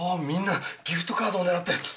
みんなギフトカードを狙って！